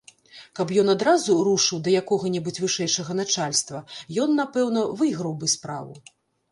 Каб ён адразу рушыў да якога небудзь вышэйшага начальства, ён напэўна выграў бы справу.